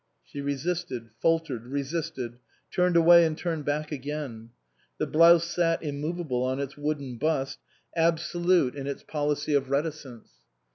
She resisted, faltered, resisted ; turned away and turned back again. The blouse sat immovable on its wooden bust, absolute in its 253 SUPERSEDED policy of reticence.